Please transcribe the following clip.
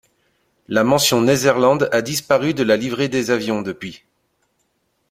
La mention Netherland a disparu de la livrée des avions depuis.